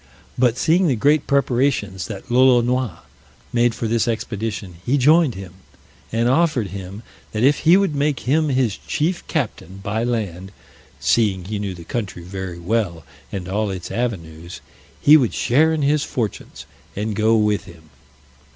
But seeing the great preparations that Lolonois made for this expedition, he joined him, and offered him, that if he would make him his chief captain by land (seeing he knew the country very well, and all its avenues) he would share in his fortunes, and go with him.